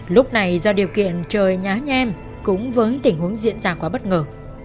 lúc này do điều kiện trời nhá nhem cũng với tình huống diễn ra quá bất ngờ